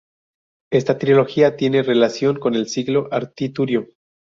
Esta trilogía tiene relación con el ciclo artúrico.